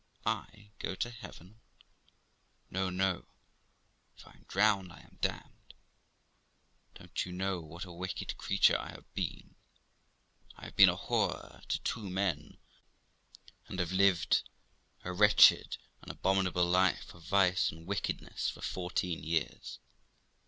I go to heaven ! No, no ; if I am drowned I am damned ! Don't you know what a wicked creature I have been? I have been a whore to two men, and have lived a wretched, abominable life of vice and wickedness for fourteen years.